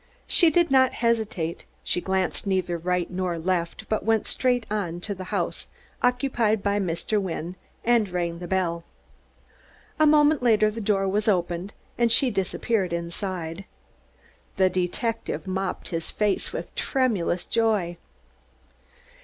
She did not hesitate, she glanced neither to right nor left, but went straight to the house occupied by Mr. Wynne, and rang the bell. A moment later the door was opened, and she disappeared inside. The detective mopped his face with tremulous joy.